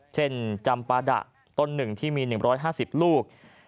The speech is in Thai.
จำปาดะต้นหนึ่งที่มี๑๕๐ลูก